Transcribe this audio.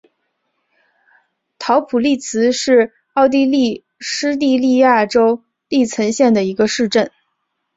陶普利茨是奥地利施蒂利亚州利岑县的一个市镇。